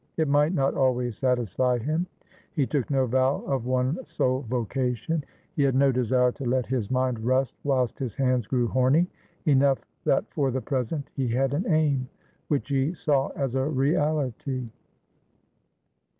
It might not always satisfy him; he took no vow of one sole vocation; he had no desire to let his mind rust whilst his hands grew horny. Enough that for the present he had an aim which he saw as a reality.